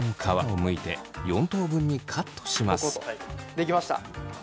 できました。